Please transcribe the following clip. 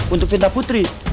untuk pindah putri